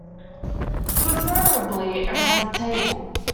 Preferably around a table.